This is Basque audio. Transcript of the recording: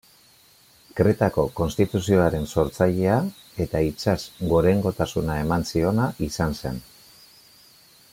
Kretako konstituzioaren sortzailea eta itsas gorengotasuna eman ziona izan zen.